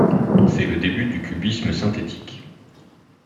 C'est le début du cubisme synthétique.